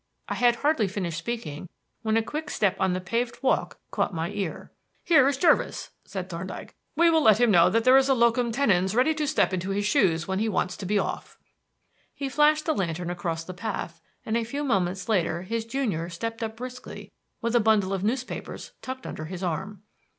I had hardly finished speaking when a quick step on the paved walk caught my ear. "Here is Jervis," said Thorndyke. "We will let him know that there is a locum tenens ready to step into his shoes when he wants to be off." He flashed the lantern across the path, and a few moments later his junior stepped up briskly with a bundle of newspapers tucked under his arm.